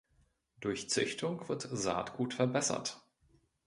Durch Züchtung wird Saatgut verbessert.